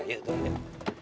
yuk turun yuk